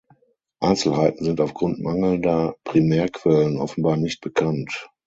Einzelheiten sind aufgrund mangelnder Primärquellen offenbar nicht bekannt.